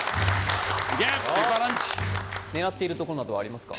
狙っているとこなどありますか？